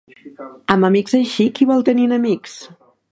Amb amics així, qui vol tenir enemics?